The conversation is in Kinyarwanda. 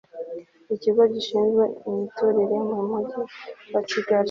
ikigo gishinzwe imiturire mu mugi wa kigali